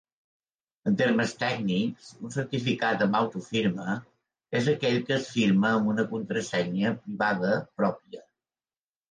En termes tècnics, un certificat amb autofirma és aquell que es firma amb una contrasenya privada pròpia.